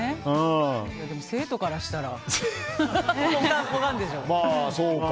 でも、生徒からしたらポカンでしょ。